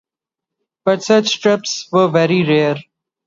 But such trips were very rare.